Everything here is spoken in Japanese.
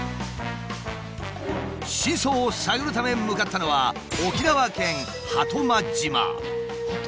真相を探るため向かったのは鳩間島。